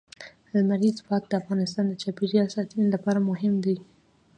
لمریز ځواک د افغانستان د چاپیریال ساتنې لپاره مهم دي.